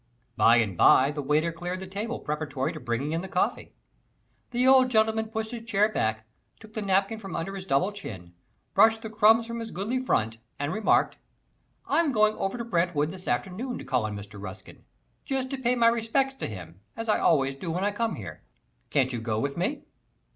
By and by the waiter cleared the table preparatory to bringing in the coffee. The old gentleman pushed his chair back, took the napkin from under his double chin, brushed the crumbs from his goodly front, and remarked: "I'm going over to Brantwood this afternoon to call on Mr. Ruskin just to pay my respects to him, as I always do when I come here. Can't you go with me?"